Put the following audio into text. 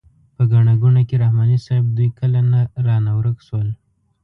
په ګڼه ګوڼه کې رحماني صیب دوی کله رانه ورک شول.